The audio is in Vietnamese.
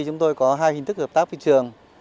chúng tôi có hai hình thức hợp tác với trường